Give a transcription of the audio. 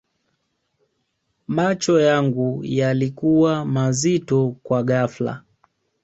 macho yangu yalikuwa mazito kwa ghafla